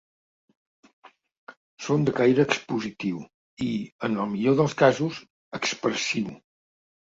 Són de caire expositiu i, en el millor dels casos, expressiu.